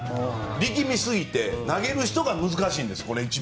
力みすぎて投げる人が難しいんです。